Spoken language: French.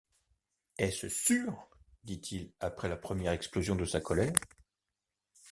Est-ce sûr? dit-il après la première explosion de sa colère.